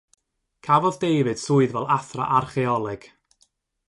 Cafodd David swydd fel athro archaeoleg,